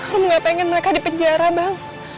rum nggak pengen mereka di penjara bang